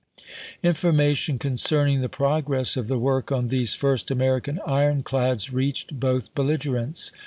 Information concerning the progress of the work on these first American ironclads reached both belligerents.